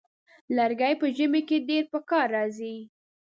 لرګی په ژمي کې ډېر پکار راځي.